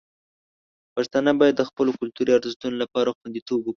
پښتانه باید د خپلو کلتوري ارزښتونو لپاره خوندیتوب وکړي.